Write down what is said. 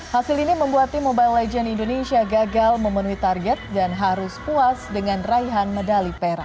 hasil ini membuat tim mobile legends indonesia gagal memenuhi target dan harus puas dengan raihan medali perak